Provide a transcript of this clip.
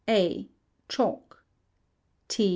A. Chalk. T.